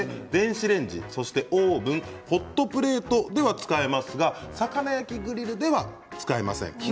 電子レンジ、オーブンホットプレートでは使えますが魚焼きグリルでは使えません。